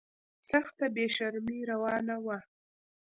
سخته بې شرمي روانه وه.